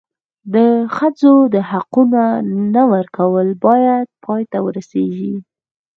د ښځو د حقونو نه ورکول باید پای ته ورسېږي.